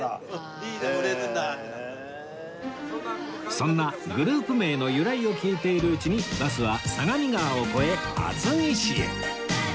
そんなグループ名の由来を聞いているうちにバスは相模川を越え厚木市へ